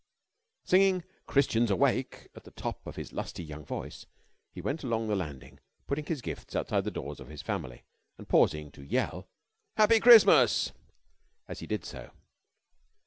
Singing "Christians Awake!" at the top of his lusty young voice, he went along the landing, putting his gifts outside the doors of his family, and pausing to yell "Happy Christmas" as he did so.